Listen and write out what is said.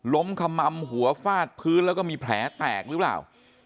ขม่ำหัวฟาดพื้นแล้วก็มีแผลแตกหรือเปล่า